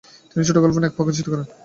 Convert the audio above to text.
তিনি ছোটগল্প "নাক" প্রকাশিত করেন।